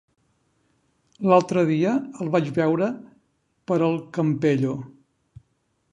L'altre dia el vaig veure per el Campello.